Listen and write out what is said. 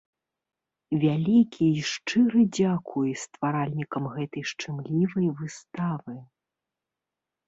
Вялікі і шчыры дзякуй стваральнікам гэтай шчымлівай выставы!